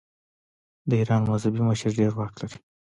د ایران مذهبي مشر ډیر واک لري.